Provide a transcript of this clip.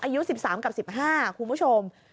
อายุ๑๓กับ๑๕คุณผู้ชม